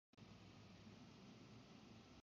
Su padre era ucraniano y su madre francesa.